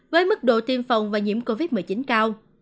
với mức độ tiêm phòng và nhiễm covid một mươi chín cao